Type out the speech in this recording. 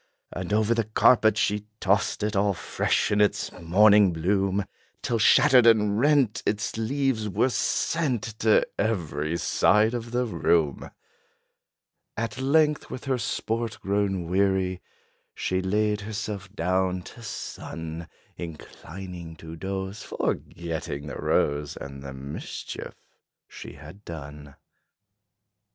And over the carpet she tossed it, All fresh in its morning bloom, Till shattered and rent, its leaves were sent To every side of the room. At length, with her sport grown weary, She laid herself down to sun, Inclining to doze, forgetting the rose And the mischief she had done.